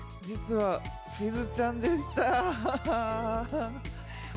実は、しずちゃんでしたー。